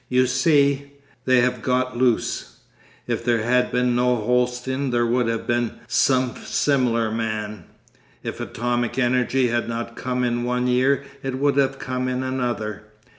You see—they have got loose. If there had been no Holsten there would have been some similar man. If atomic energy had not come in one year it would have come in another.